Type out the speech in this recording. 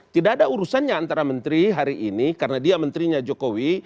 tidak ada urusannya antara menteri hari ini karena dia menterinya jokowi